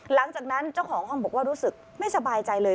หลังจากนั้นเจ้าของห้องบอกว่ารู้สึกไม่สบายใจเลย